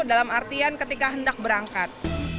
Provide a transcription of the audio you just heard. dalam artian ketika hendak berangkat